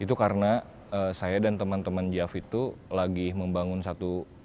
itu karena saya dan teman teman jav itu lagi membangun satu projek hutan gitu